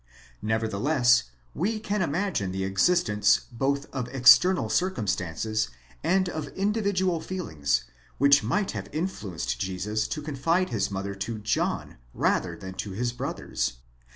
Nevertheless we can imagine the existence both of external circumstances and of individual feelings which might have influenced Jesus to confide his mother to John rather than to his brothers.